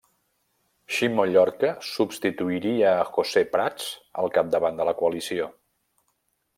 Ximo Llorca substituiria a José Prats al capdavant de la coalició.